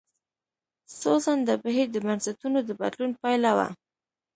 خوځنده بهیر د بنسټونو د بدلون پایله وه.